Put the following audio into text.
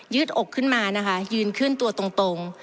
ดอกขึ้นมานะคะยืนขึ้นตัวตรง